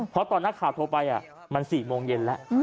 เพราะตอนนักข่าวโทรไปมัน๔โมงเย็นแล้ว